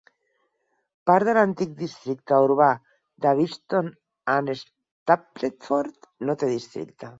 Part de l'antic districte urbà de Beeston and Stapleford no té districte.